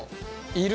いる？